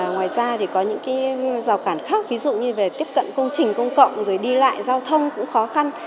ngoài ra thì có những rào cản khác ví dụ như về tiếp cận công trình công cộng rồi đi lại giao thông cũng khó khăn